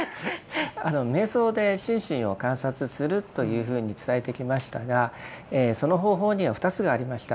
瞑想で心身を観察するというふうに伝えてきましたがその方法には２つがありました。